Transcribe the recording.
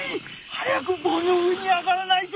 早く棒の上に上がらないと！